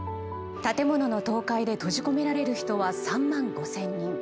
建物の倒壊で閉じ込められる人は３万５０００人。